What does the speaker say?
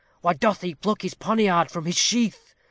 Why doth he pluck his poniard from its sheath?